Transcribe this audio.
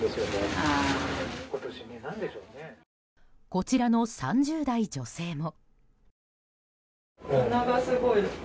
こちらの３０代女性も。